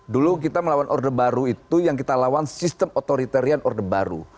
dulu kita melawan order baru itu yang kita lawan sistem otoritarian order baru